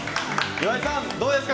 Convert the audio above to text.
岩井さん、どうですか？